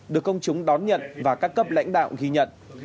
được công chúng đón nhận và các cấp lãnh đạo ghi nhận